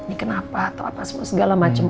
ini kenapa atau apa semua segala macem